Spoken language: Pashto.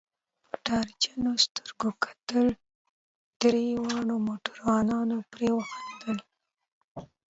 په ډار جنو سترګو کتل، دریو واړو موټروانانو پرې وخندل.